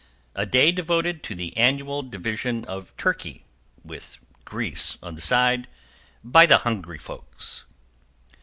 = A day devoted to the annual division of Turkey with Greece on the side by the Hung'ry folks.